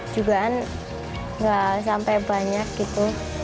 juga kan gak sampai banyak gitu